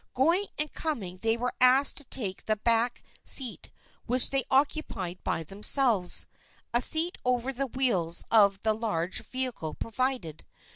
Going and coming they were asked to take the back seat, which they occupied by themselves,—a seat over the wheels of the large vehicle provided.